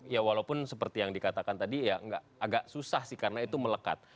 ya walaupun seperti yang dikatakan tadi ya agak susah sih karena itu melekat